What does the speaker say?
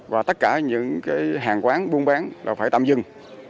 và tất cả những hàng quán buôn bán là phải tạm dừng